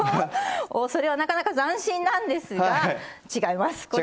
それはなかなか斬新なんですが違います。